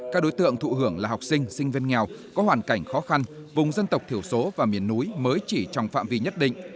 các đối tượng thụ hưởng là học sinh sinh viên nghèo có hoàn cảnh khó khăn vùng dân tộc thiểu số và miền núi mới chỉ trong phạm vi nhất định